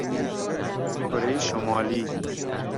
کره شمالی